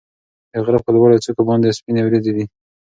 د غره په لوړو څوکو باندې سپینې وريځې دي.